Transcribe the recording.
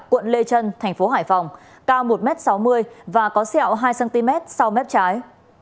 quận lê trân tp hải phòng cao một m sáu mươi và có xẹo hai cm sau mép trái